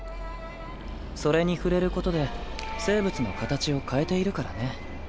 それに触れることで生物の形を変えているからね。